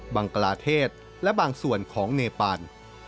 บังกลาเทศและบางส่วนของเนปาน